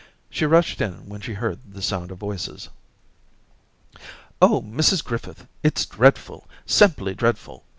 She rushed in when she heard the sound of voices. *Oh, Mrs Griffith, it's dreadful! simply dreadful!